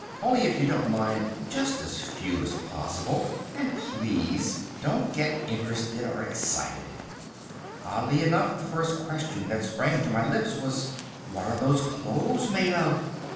Only, if you don't mind, just as few as possible, and please don't get interested or excited." Oddly enough the first question that sprang to my lips was— "What are those clothes made of?"